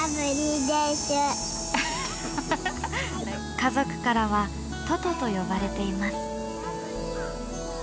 家族からは「トト」と呼ばれています。